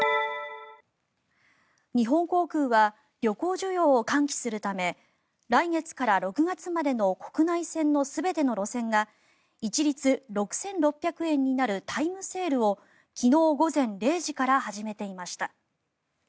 日本航空は旅行需要を喚起するため来月から６月までの国内線の全ての路線が一律６６００円になるタイムセールを昨日午前０時から始めていました。